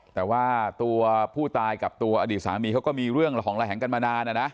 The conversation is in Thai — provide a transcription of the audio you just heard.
แต่ว่าตัวผู้ตายกับตัวอดีตสามีเขาก็มีเรื่องระห่องระแหงกันมานานนะนะ